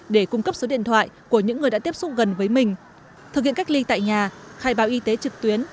để cung cấp số điện thoại của những người đã tiếp xúc gần với mình thực hiện cách ly tại nhà khai báo y tế trực tuyến